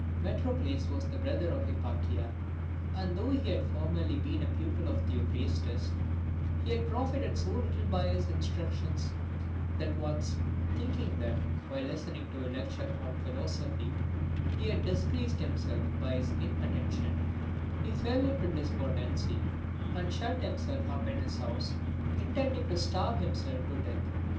I. METROCLES was the brother of Hipparchia ; and though he had formerly been a pupil of Theophrastus, he had profited so little by his instructions, that once, thinking that, while listening to a lecture on philosophy, he had dis graced himself by his inattention, he fell into despondency, and shut himself up in his house, intending to starve himself to death.